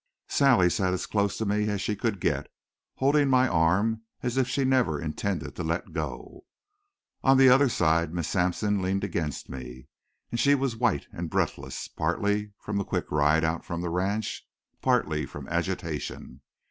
Sally sat as close to me as she could get, holding to my arm as if she never intended to let go. On the other side Miss Sampson leaned against me, and she was white and breathless, partly from the quick ride out from the ranch, partly from agitation.